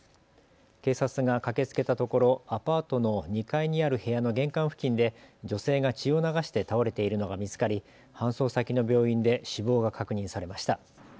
警察が駆けつけたところアパートの２階にある部屋の玄関付近で女性が血を流して倒れているのが見つかり、搬送先の病院で死亡が確認されました。